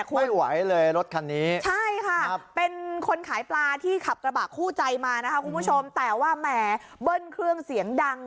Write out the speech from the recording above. ไม่ไหวเลยรถคันนี้ใช่ค่ะเป็นคนขายปลาที่ขับกระบะคู่ใจมานะคะคุณผู้ชมแต่ว่าแหมเบิ้ลเครื่องเสียงดัง